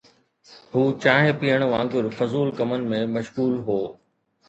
هو چانهه پيئڻ وانگر فضول ڪمن ۾ مشغول هو.